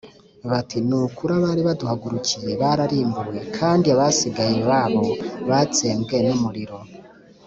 bati ‘ni ukuri abari baduhagurukiye bararimbuwe, kandi abasigaye babo batsembwe n’umuriro’